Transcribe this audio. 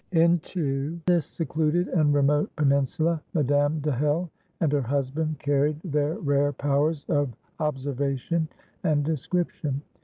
" Into this secluded and remote peninsula Madame de Hell and her husband carried their rare powers of observation and description.